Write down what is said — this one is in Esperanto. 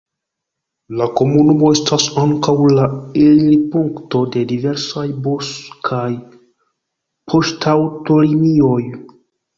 La komunumo estas ankaŭ la elirpunkto de diversaj bus- kaj poŝtaŭtolinioj.